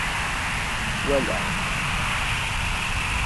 Walaɣ.